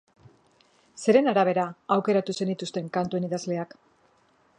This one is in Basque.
Zeren arabera aukeratu zenituzten kantuen idazleak?